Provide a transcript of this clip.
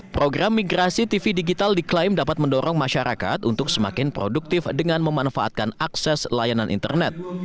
program migrasi tv digital diklaim dapat mendorong masyarakat untuk semakin produktif dengan memanfaatkan akses layanan internet